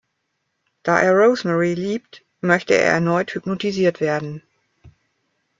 Da er Rosemary liebt, möchte er erneut hypnotisiert werden.